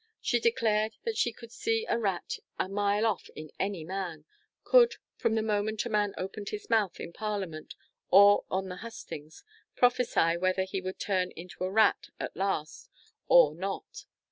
She declared that she could see a rat a mile off in any man could, from the moment a man opened his mouth in parliament, or on the hustings, prophesy whether he would turn into a rat at last, or not.